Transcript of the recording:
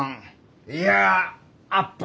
いやあっぱれだ！